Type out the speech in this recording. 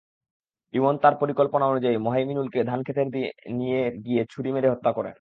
ইমন তাঁর পরিকল্পনা অনুযায়ী মোহাইমিনুলকে ধানখেতের নিয়ে গিয়ে ছুরি মেরে হত্যা করেন।